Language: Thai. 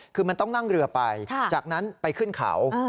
คือมันต้องนั่งเรือไปจากนั้นไปขึ้นเขา